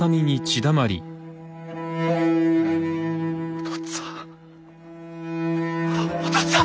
おとっつぁん？